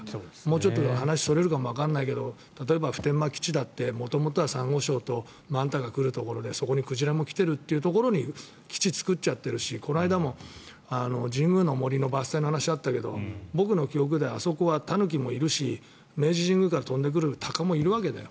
ちょっと、話がそれるかもわからないけど普天間基地だって元々はサンゴ礁とマンタが来るところでそこに鯨も来ているところに基地を作っちゃってるしこの間も神宮の森の伐採の話があったけど僕の記憶ではあそこはタヌキもいるし明治神宮から飛んでくるタカもいるわけだよ。